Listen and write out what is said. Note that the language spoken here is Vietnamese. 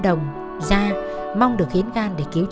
mình không nghe nói gì